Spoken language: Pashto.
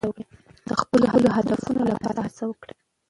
د خپلو هدفونو لپاره هڅه وکړئ.